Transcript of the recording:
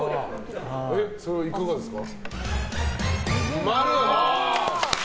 それはいかがですか？